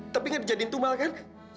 tapi gak dijadiin tumal kan